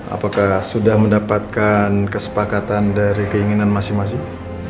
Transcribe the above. apakah sudah mendapatkan kesepakatan dari keinginan masing masing